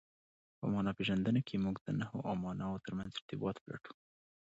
په مانا پېژندنه کښي موږ د نخښو او ماناوو ترمنځ ارتباط پلټو.